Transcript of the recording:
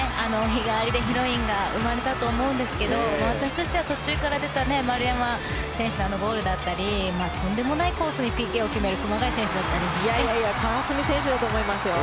日替わりでヒロインが生まれたと思うんですけど私としては途中から出た丸山選手のゴールだったりとんでもないコースにＰＫを決める